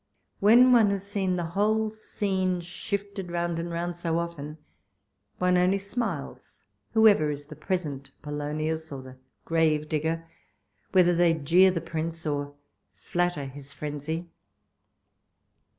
When one has seen the whole scene shifted round and round so often, one only smiles, whoever is the present Polonius or the Gravedigger, whether they jeer the Prince, or flatter his phrenzy.